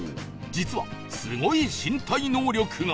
実はすごい身体能力が！